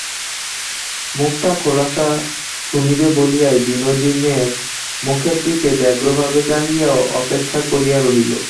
কথাটা খোলসা শুনিবে বলিয়া বিনোদিনীর মুখের দিকে ব্যগ্রভাবে চাহিয়া অপেক্ষা করিয়া রহিল।